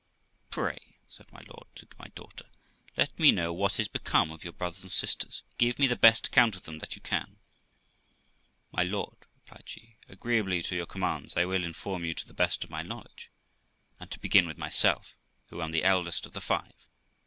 'Pray', said my lord to my daughter, 'let me know what is become of your brothers and sisters ; give me the best account of them that you can.' 'My lord', replied she, 'agreeably to your commands, I will inform you to the best of my knowledge; and to begin with myself, who am the eldest of the five.